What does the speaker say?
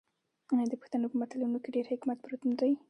آیا د پښتنو په متلونو کې ډیر حکمت پروت نه دی؟